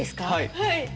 はい。